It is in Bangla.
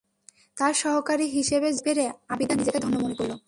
তার সহকারী হিসেবে যোগ দিতে পেরে আবিদা নিজেকে ধন্য মনে করল।